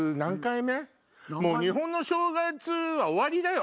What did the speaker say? もう日本の正月は終わりだよ。